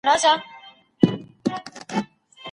اسلام حق تضمینوي.